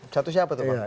satu siapa tuh pak